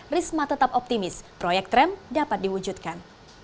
risma tetap optimis proyek tram dapat diwujudkan